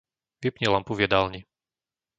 Vypni lampu v jedálni.